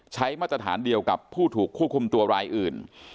มาตรฐานเดียวกับผู้ถูกควบคุมตัวรายอื่น